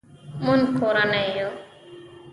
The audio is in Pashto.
مونږ کورنۍ یو